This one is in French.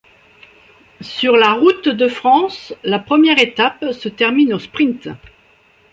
Sur la Route de France, la première étape se termine au sprint.